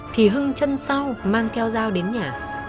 thì hưng chân sau mang theo dao đến nhà